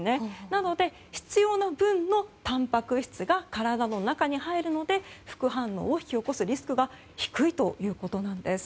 なので、必要な分のたんぱく質が体の中に入るので副反応を引き起こすリスクが低いということなんです。